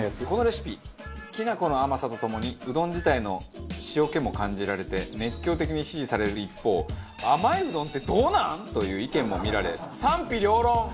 このレシピきな粉の甘さとともにうどん自体の塩気も感じられて熱狂的に支持される一方「甘いうどんってどうなん！？」という意見もみられ賛否両論！